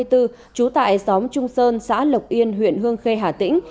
trú tại xóm trung sơn xã lộc yên huyện hương khê hà tĩnh